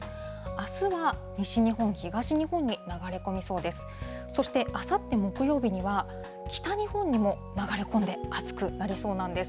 あすは西日本、東日本に流れ込みそうです。